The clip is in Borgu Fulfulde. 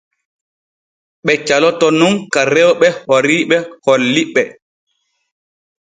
Ɓe caloto nun ka rewɓe oriiɓe holli ɓe.